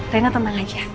rena tenang aja